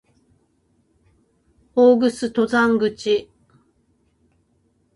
大楠登山口